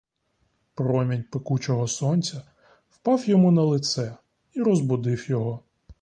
Промінь пекучого сонця впав йому на лице і розбудив його.